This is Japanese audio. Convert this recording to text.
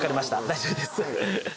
大丈夫です。